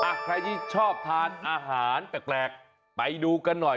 ใครที่ชอบทานอาหารแปลกไปดูกันหน่อย